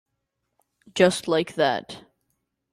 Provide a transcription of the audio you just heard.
Just like that.